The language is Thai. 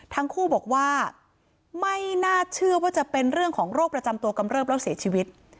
ทั้งคู่บอกว่าไม่น่าเชื่อว่าจะเป็นเรื่องของโรคประจำตัวกำเริบแล้วเสียชีวิต